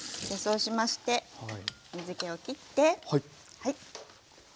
そうしまして水けをきってはい。